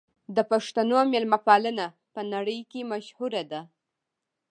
د پښتنو مېلمه پالنه په نړۍ کې مشهوره ده.